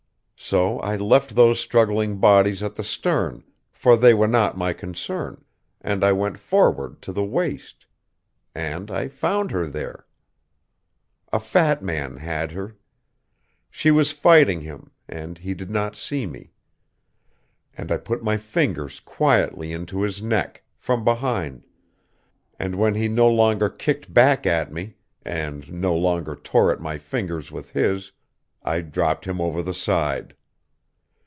So I left those struggling bodies at the stern, for they were not my concern; and I went forward to the waist. And I found her there. "A fat man had her. She was fighting him; and he did not see me. And I put my fingers quietly into his neck, from behind; and when he no longer kicked back at me, and no longer tore at my fingers with his, I dropped him over the side.